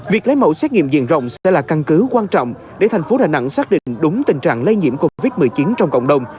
việc lấy mẫu xét nghiệm diện rộng sẽ là căn cứ quan trọng để thành phố đà nẵng xác định đúng tình trạng lây nhiễm covid một mươi chín trong cộng đồng